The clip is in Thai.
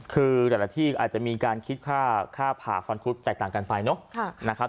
คือแต่ละที่อาจจะมีการคิดค่าผ่าฟันคุดแตกต่างกันไปเนอะนะครับ